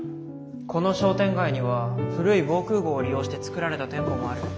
この商店街には古い防空ごうを利用して作られた店舗もある。